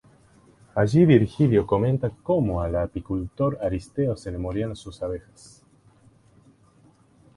Allí Virgilio comenta cómo al apicultor Aristeo se le morían sus abejas.